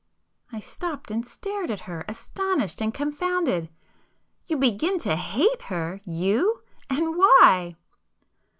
I stopped and stared at her, astonished and confounded. "You begin to hate her——you?—and why?"